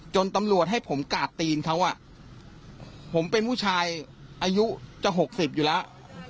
ตำรวจให้ผมกาดตีนเขาผมเป็นผู้ชายอายุจะ๖๐อยู่แล้ว